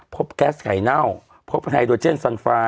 พบแก๊สไข่เน่าพบไฮโดรเจน